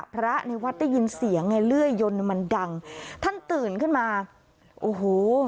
พระในวัดได้ยินเสียงไงเลื่อยยนต์มันดังท่านตื่นขึ้นมาโอ้โห